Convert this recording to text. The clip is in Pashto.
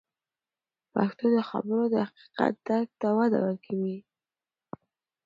پښتو د خبرونو د حقیقت درک ته وده ورکوي.